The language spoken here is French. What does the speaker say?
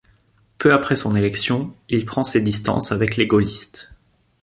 Peu après son élection, il prend ses distances avec les gaullistes.